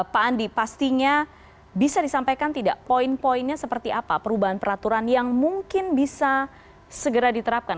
pak andi pastinya bisa disampaikan tidak poin poinnya seperti apa perubahan peraturan yang mungkin bisa segera diterapkan